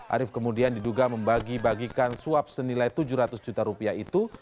arief kemudian diduga membagi bagikan suap senilai tujuh ratus juta rupiah itu